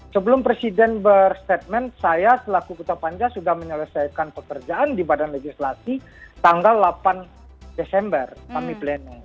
sebelum presiden berstatement saya selaku ketua panja sudah menyelesaikan pekerjaan di badan legislasi tanggal delapan desember kami pleno